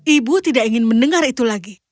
ibu tidak ingin mendengar itu lagi